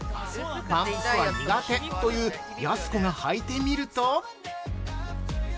パンプスは苦手というやす子が履いてみると。